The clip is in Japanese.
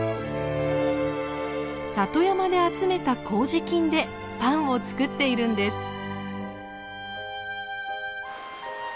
里山で集めた麹菌でパンを作っているんです。